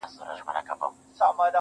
د سر په سترگو چي هغه وينمه.